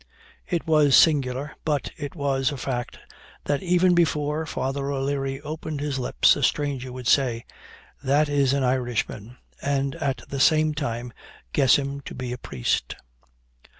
It was singular, but it was a fact, that even before Father O'Leary opened his lips, a stranger would say, 'That is an Irishman,' and, at the same time, guess him to be a priest.